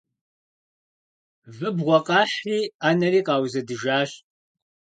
Выбгъуэ къахьри ӏэнэри къаузэдыжащ.